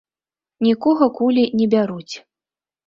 Нікога кулі не бяруць.